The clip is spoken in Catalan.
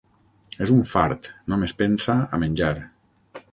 És un fart: només pensa a menjar.